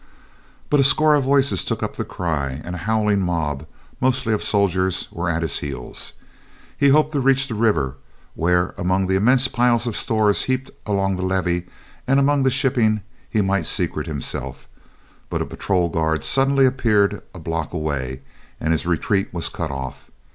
But a score of voices took up the cry, and a howling mob, mostly of soldiers, were at his heels. He hoped to reach the river, where among the immense piles of stores heaped along the levee, or among the shipping, he might secrete himself, but a patrol guard suddenly appeared a block away, and his retreat was cut off.